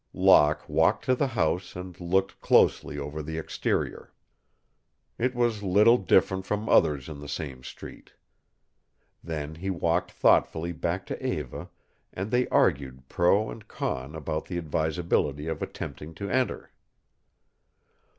Locke walked to the house and looked closely over the exterior. It was little different from others in the same street. Then he walked thoughtfully back to Eva and they argued pro and con about the advisability of attempting to enter.